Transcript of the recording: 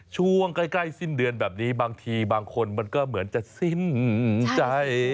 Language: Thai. ช่วงใกล้สิ้นเดือนแบบนี้บางทีบางคนมันก็เหมือนจะสิ้นใจ